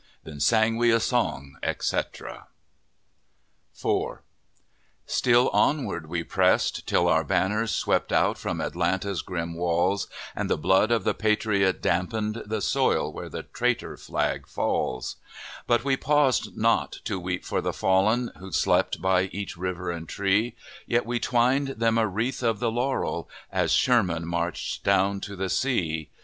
Then sang we a song, etc. IV Still onward we pressed, till our banners Swept out from Atlanta's grim walls, And the blood of the patriot dampened The soil where the traitor flag falls; But we paused not to weep for the fallen, Who slept by each river and tree, Yet we twined them a wreath of the laurel, As Sherman marched down to the sea!